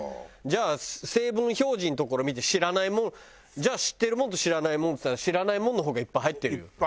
じゃあ成分表示のところ見て知らないものじゃあ知ってるものと知らないものっつったら知らないものの方がいっぱい入ってるよ。